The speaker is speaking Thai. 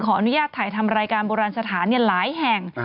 อนุญาตถ่ายทำรายการโบราณสถานหลายแห่ง